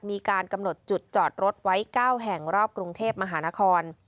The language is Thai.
มีการกำหนดจุดจอดรถไว้๙แห่งรอบกรุงเทพมหานคร